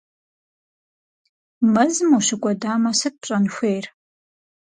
Мэзым ущыкӏуэдамэ, сыт пщӏэн хуейр?